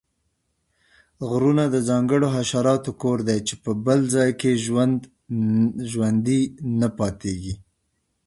غرونه د ځانګړو حشراتو کور دی چې په بل ځاې کې ژوندي نه پاتیږي